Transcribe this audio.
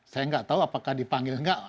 saya nggak tahu apakah dipanggil nggak